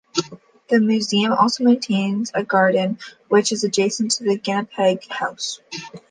The museum also maintains a garden, which is adjacent to the Guinep House.